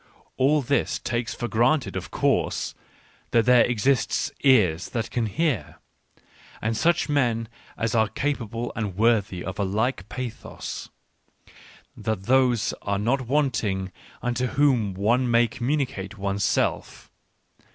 All this takes for granted, of course, that there exist ears that can hear, and such men as are cap able and worthy of a like pathos, that those are not wanting unto whom one may communicate . one's self.